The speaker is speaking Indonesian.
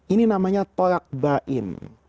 ini namanya tolak bain